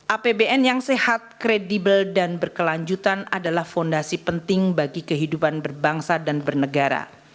apbn yang sehat kredibel dan berkelanjutan adalah fondasi penting bagi kehidupan berbangsa dan bernegara